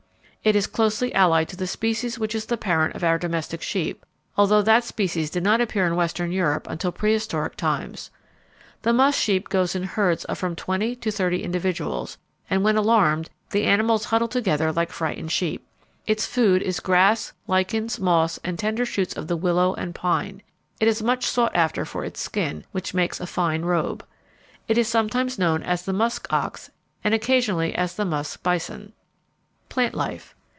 It is closely allied to the species which is the parent of our domestic sheep, although that species did not appear in western Europe until prehistoric times. The musk sheep goes in herds of from twenty to thirty individuals, and when alarmed the animals huddle together like frightened sheep. Its food is grass, lichens, moss, and tender shoots of the willow and pine. It is much sought after for its skin, which makes a fine robe. It is sometimes known as the musk ox and occasionally as the musk bison. _Plant Life.